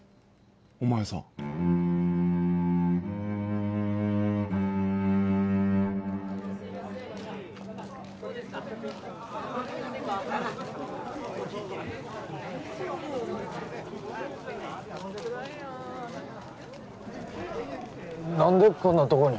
お前さん何でこんなとこに？